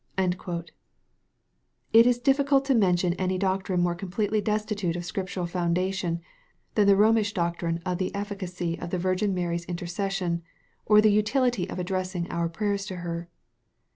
It is difficult to men tion any doctrine more completely destitute of Scriptural founda tion, than the Romish doctrine of the efficacy of the Virgin Mary's intercession, or the utility of addressing our prayers to her.